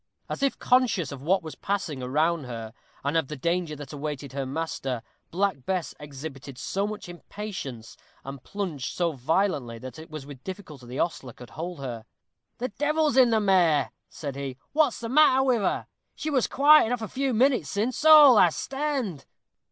As if conscious of what was passing around her, and of the danger that awaited her master, Black Bess exhibited so much impatience, and plunged so violently, that it was with difficulty the ostler could hold her. "The devil's in the mare," said he; "what's the matter with her? She was quiet enough a few minutes since. Soho! lass, stand."